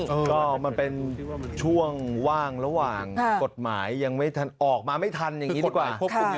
ก็มันเป็นช่วงว่างระหว่างกฎหมายยังไม่ทันออกมาไม่ทันอย่างนี้ดีกว่า